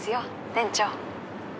店長。